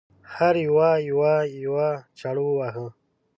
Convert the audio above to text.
هر یوه یوه یوه چاړه وواهه.